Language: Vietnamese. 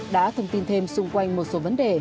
đã thông tin thêm xung quanh một số vấn đề